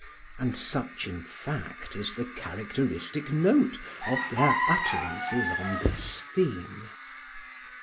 And such, in fact, is the characteristic note of their utterances on this theme.